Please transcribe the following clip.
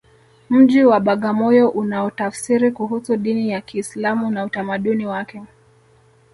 mji wa bagamoyo unaotafsiri kuhusu dini ya kiislamu na utamaduni wake